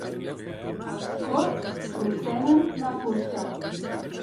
Els corcs roseguen la fusta.